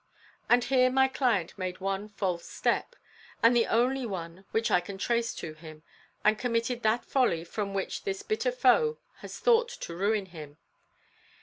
And here my client made the one false step and the only one which I can trace to him and committed that folly from which this bitter foe has thought to ruin him.